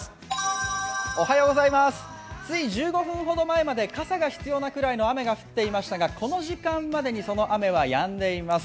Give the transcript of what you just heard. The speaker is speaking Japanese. つい１５分ほど前まで傘が必要なくらいの雨が降っていましたがこの時間までにその雨はやんでいます。